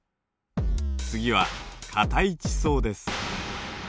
次は硬い地層です。